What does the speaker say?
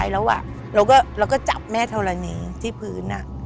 เราก็จับแม่ธรณีที่พื้น